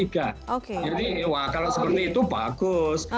jadi kalau seperti itu bagus